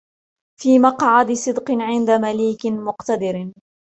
فِي مَقْعَدِ صِدْقٍ عِندَ مَلِيكٍ مُّقْتَدِرٍ